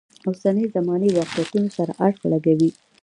اوسنۍ زمانې واقعیتونو سره اړخ لګوي.